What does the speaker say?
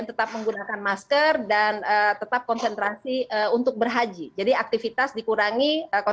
terima kasih pak budi